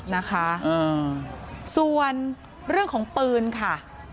นะคะส่วนเรื่องของปืนค่ะ